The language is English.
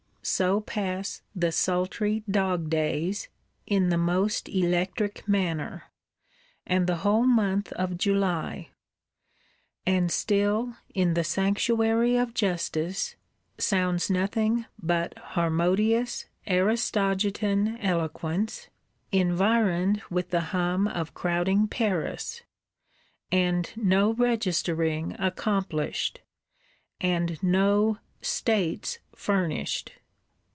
So pass the sultry dog days, in the most electric manner; and the whole month of July. And still, in the Sanctuary of Justice, sounds nothing but Harmodius Aristogiton eloquence, environed with the hum of crowding Paris; and no registering accomplished, and no "states" furnished.